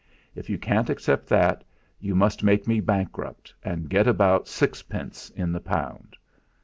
If you can't accept that, you must make me bankrupt and get about sixpence in the pound.